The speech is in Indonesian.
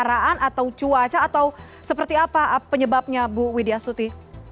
pendaraan atau cuaca atau seperti apa penyebabnya bu widya stuti